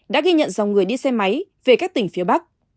đã ghi nhận dòng người đi xe máy về các tỉnh phía bắc